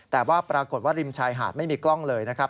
แต่ว่าปรากฏว่าริมชายหาดไม่มีกล้องเลยนะครับ